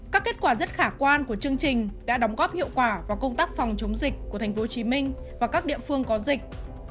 các kết quả rất khả quan của chương trình đã đóng góp hiệu quả vào công tác phòng chống dịch của tp hcm và các địa phương có dịch